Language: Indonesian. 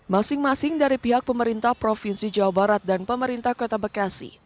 masing masing dari pihak pemerintah provinsi jawa barat dan pemerintah kota bekasi